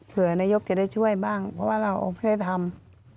นายกจะได้ช่วยบ้างเพราะว่าเราไม่ได้ทำ